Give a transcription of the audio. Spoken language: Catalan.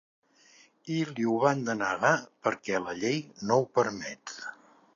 I li ho van denegar, perquè ‘la llei no ho permet’.